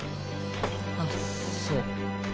あっそう。